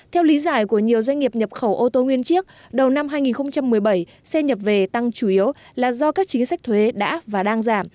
theo lý giải của nhiều doanh nghiệp nhập khẩu ô tô nguyên chiếc đầu năm hai nghìn một mươi bảy xe nhập về tăng chủ yếu là do các chính sách thuế đã và đang giảm